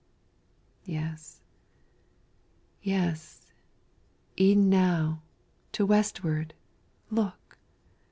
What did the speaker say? Yes, yes e'en now to Westward look!